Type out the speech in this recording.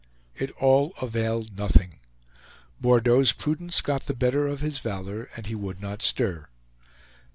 It all availed nothing. Bordeaux's prudence got the better of his valor, and he would not stir.